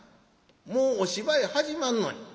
もうお芝居始まんのに』。